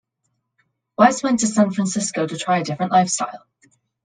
Weiss went to San Francisco to try a different lifestyle.